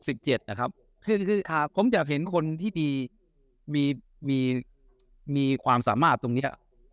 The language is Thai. สิบเจ็ดนะครับคือคือค่ะผมจะเห็นคนที่มีมีความสามารถตรงนี้